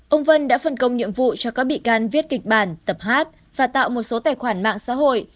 ông vân đã phân công nhiệm vụ cho các bị can viết kịch bản tập hát và tạo một số tài khoản mạng xã hội